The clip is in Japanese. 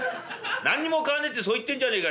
何にも買わねえってそう言ってんじゃねえか」。